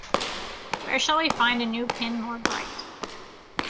Where shall we find a new pin more bright?